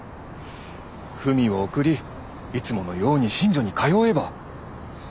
文を送りいつものように寝所に通えば。